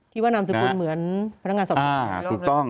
ก็คือนำสึกรุนเหมือนพนักงานสมุนไทย